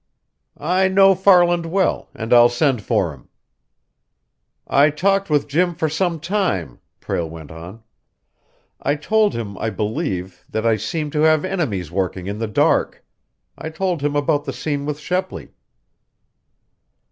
"I know Farland well, and I'll send for him." "I talked with Jim for some time," Prale went on. "I told him, I believe, that I seemed to have enemies working in the dark. I told him about the scene with Shepley."